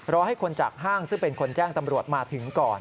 รอให้คนจากห้างซึ่งเป็นคนแจ้งตำรวจมาถึงก่อน